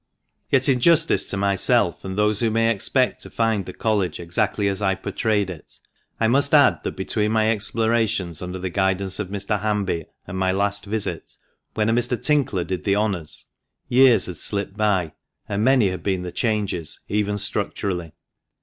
Yet in justice to myself and those who may expect to find the College exactly as I pourtrayed it, I must add that between my explorations under the guidance of Mr. Hanby and my last visit, when a Mr. Tinkler did the honours, years had slipped by, and many had been the changes, even structurally.